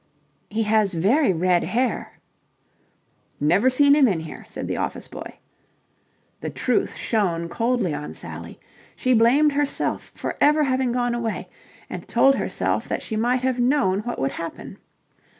"He has very red hair." "Never seen him in here," said the office boy. The truth shone coldly on Sally. She blamed herself for ever having gone away, and told herself that she might have known what would happen.